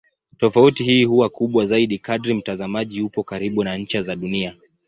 Tofauti hii huwa kubwa zaidi kadri mtazamaji yupo karibu na ncha za Dunia.